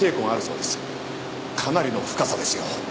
かなりの深さですよ。